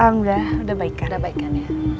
udah baik kan